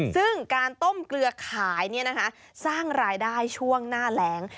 ซึ่งการต้มเกลือขายเนี่ยนะคะสร้างรายได้ช่วงหน้าแหลง